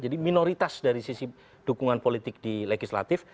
jadi minoritas dari sisi dukungan politik di legislatif